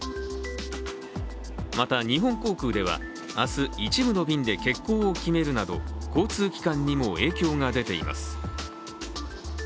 また日本航空では、明日一部の便で欠航を決めるなど交通機関にも影響が出ています。